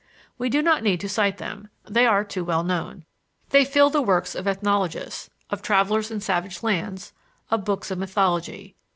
We do not need to cite them they are too well known. They fill the works of ethnologists, of travelers in savage lands, of books of mythology.